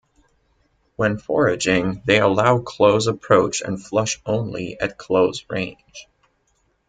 When foraging, they allow close approach and flush only at close range.